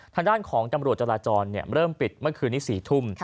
ทางด้านของตำรวจจราจรเริ่มปิดเมื่อคืนนี้๔ทุ่ม